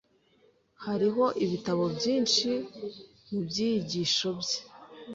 Hariho ibitabo byinshi mubyigisho bye.